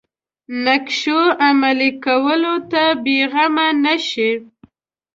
نقشو عملي کولو ته بېغمه نه شي.